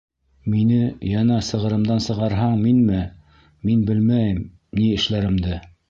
Мине йәнә сығырымдан сығарһаң, минме... мин белмәйем ни эшләремде!